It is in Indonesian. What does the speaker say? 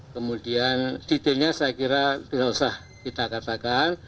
kemudian detailnya saya kira tidak usah kita katakan